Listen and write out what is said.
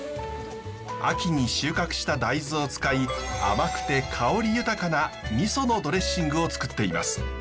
秋に収穫した大豆を使い甘くて香り豊かなみそのドレッシングをつくっています。